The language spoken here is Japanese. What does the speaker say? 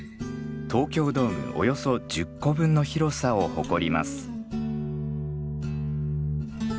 東京ドームおよそ１０個分の広さを誇ります。